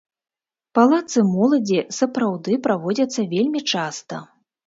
Палацы моладзі сапраўды праводзяцца вельмі часта.